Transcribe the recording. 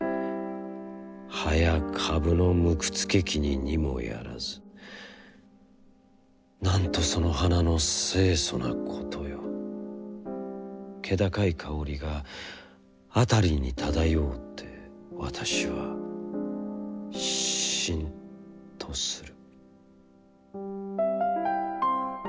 葉や株のむくつけきに似もやらず、なんとその花の清楚なことよ、気高いかおりがあたりにただようて、私はしんとする」。